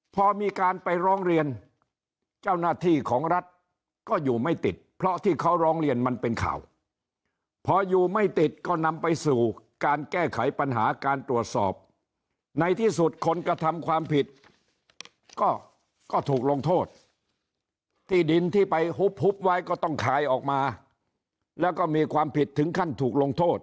พอมีการไปร้องเรียนเจ้าหน้าที่ของรัฐก็อยู่ไม่ติดเพราะที่เขาร้องเรียนมันเป็นข่าวพออยู่ไม่ติดก็นำไปสู่การแก้ไขปัญหาการตรวจสอบในที่สุดคนกระทำความผิดก็ถูกลงโทษที่ดินที่ไปหุบไว้ก็ต้องขายออกมาแล้วก็มีความผิดถึงขั้นถูกลงโทษ